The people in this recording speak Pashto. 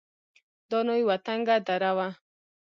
دا نو يوه تنگه دره وه.